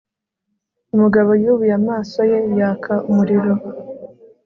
Umugabo yubuye amaso ye yaka umuriro